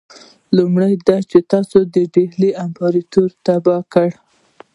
لومړی دا چې تاسي د ډهلي امپراطوري تباه کړه.